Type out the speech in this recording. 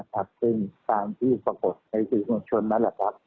ทักตินตามที่ปรากฏในสิ่งความชนมันแหละครับ